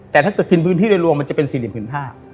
แต่ถ้าถึงพื้นที่เรียนรวมมันจะเป็นสี่เหลี่ยมถึงห้า